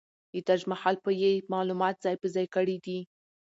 د تاج محل په يې معلومات ځاى په ځاى کړي دي.